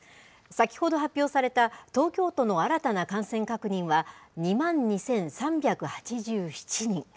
先ほど発表された東京都の新たな感染確認は、２万２３８７人。